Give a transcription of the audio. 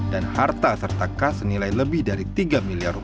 dan harta serta kas senilai lebih dari rp tiga miliar